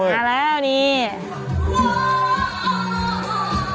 น่ารักนิสัยดีมาก